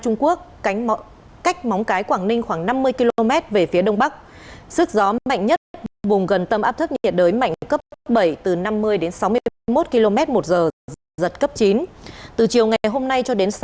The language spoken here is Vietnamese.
ngoài ra bóng b replenishing nhất vùng cây hayir